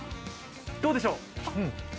どうでしょう？